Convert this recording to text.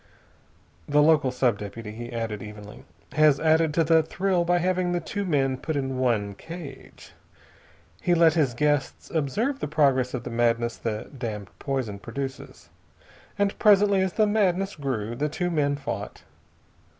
"The local sub deputy," he added evenly, "has added to the thrill by having the two men put in one cage. He let his guests observe the progress of the madness the damned poison produces. And presently, as the madness grew, the two men fought.